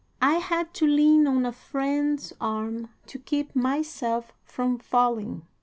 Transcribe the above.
I had to lean on a friend's arm to keep myself from falling.